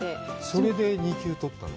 それで２級を取ったの？